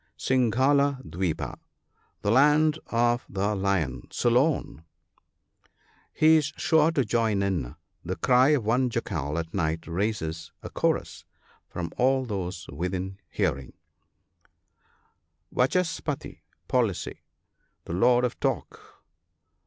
(86.) Singhala dwipa. — The " Land of the Lion" — Ceylon. (87.) He is sure to join in. — The cry of one jackal at night raises a chorus from all those within hearing, (88.) Vachaspati.—VoMcy, "the Lord of Talk."